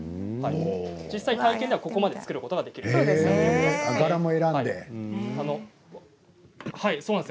実際、体験ではここまで作ることができるんです。